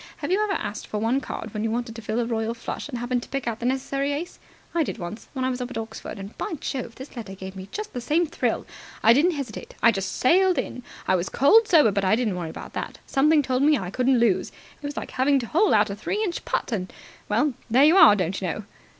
Have you ever asked for one card when you wanted to fill a royal flush and happened to pick out the necessary ace? I did once, when I was up at Oxford, and, by Jove, this letter gave me just the same thrill. I didn't hesitate. I just sailed in. I was cold sober, but I didn't worry about that. Something told me I couldn't lose. It was like having to hole out a three inch putt. And well, there you are, don't you know."